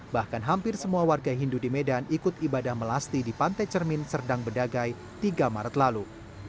bahkan hampir semua warga hindu di medan ikut ibadah melasti di pantai cermin serdang bedagai tiga maret lalu